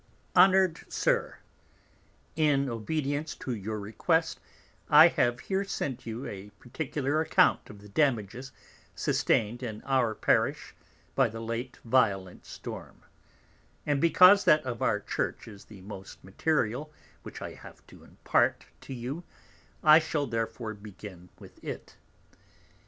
Honour'd Sir, In Obedience to your Request I have here sent you a particular Account of the damages sustain'd in our Parish by the late Violent Storm; and because that of our Church is the most material which I have to impart to you, I shall therefore begin with it.